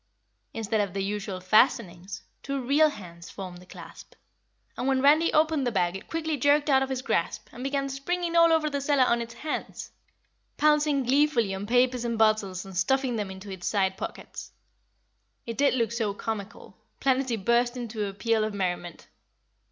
Instead of the usual fastenings, two real hands formed the clasp, and when Randy opened the bag it quickly jerked out of his grasp and began springing all over the cellar on its hands, pouncing gleefully on papers and bottles and stuffing them into its side pockets. It did look so comical, Planetty burst into a peal of merriment.